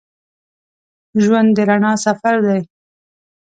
ژوند د رڼا سفر دی.